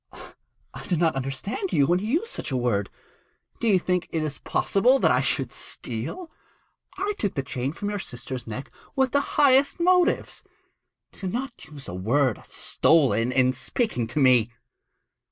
I do not understand you when you use such a word. Do you think it possible that I should steal? I took the chain from your sister's neck with the highest motives. Do not use such a word as "stolen" in speaking to me.'